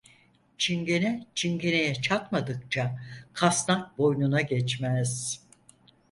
Çingene çingeneye çatmadıkça kasnak boynuna geçmez.